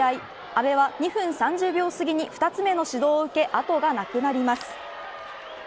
阿部は、２分３０秒すぎに２つ目の指導を受け後がなくなります。